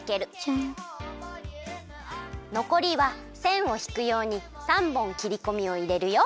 のこりはせんをひくように３ぼんきりこみをいれるよ。